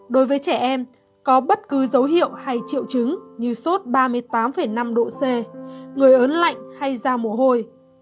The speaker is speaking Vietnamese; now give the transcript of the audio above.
đối với trẻ em có bất cứ dấu hiệu hay triệu chứng như sốt ba mươi tám năm độ c người ớn lạnh hay da mồ hôi